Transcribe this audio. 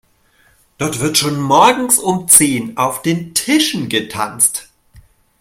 Dort wird schon morgens um zehn auf den Tischen getanzt.